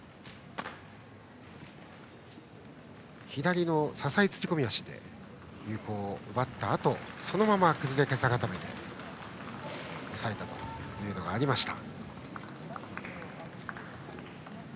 左の支え釣り込み足で有効を奪ったあとそのまま崩れけさ固めで抑えたということがありました。